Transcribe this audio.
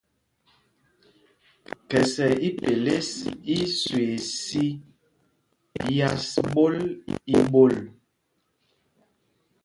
Khɛsɛ ipelês í í swee sī yas ɓól í ɓol.